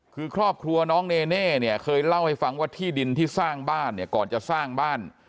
คือครอบครัวน้องเนเน่เนี่ยเคยเล่าให้ฟังว่าที่ดินที่สร้างบ้านเนี่ยก่อนจะสร้างบ้าน